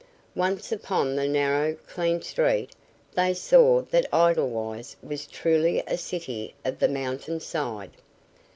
Once upon the narrow, clean street they saw that Edelweiss was truly a city of the mountain side.